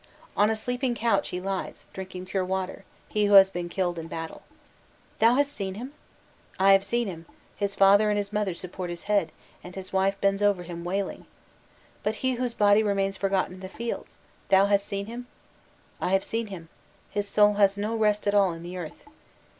* "On a sleeping couch he lies, drinking pure water, he who has been killed in battle. 'Thou hast seen him?' 'I have seen him; his father and his mother support his head, and his wife bends over him wailing.' 'But he whose body remains forgotten in the fields, thou hast seen him?' 'I have seen him; his soul has no rest at all in the earth.